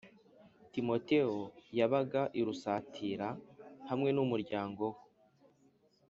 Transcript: Timoteyo yabaga i Lusitira hamwe n umuryango we